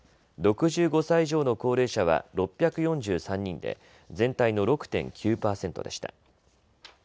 ６５歳以上の高齢者は６４３人で全体の６．９％でした。